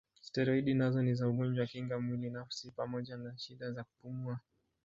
Steroidi nazo ni za ugonjwa kinga mwili nafsi pamoja na shida za kupumua.